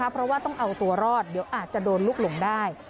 เพราะว่าต้องเอาตัวรอดเดี๋ยวอาจจะโดนลูกหลงได้